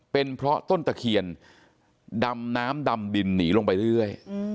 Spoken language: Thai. เป็นเพราะต้นตะเคียนดำน้ำดำดินหนีลงไปเรื่อย